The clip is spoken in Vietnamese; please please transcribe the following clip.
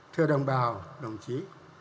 thưa đồng bào đồng chí